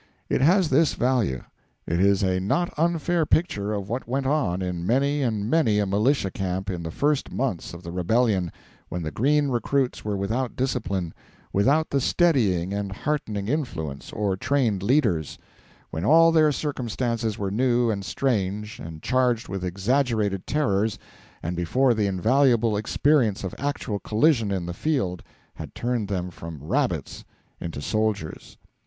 It has this value: it is a not unfair picture of what went on in many and many a militia camp in the first months of the rebellion, when the green recruits were without discipline, without the steadying and heartening influence or trained leaders; when all their circumstances were new and strange, and charged with exaggerated terrors, and before the invaluable experience of actual collision in the field had turned them from rabbits into soldiers.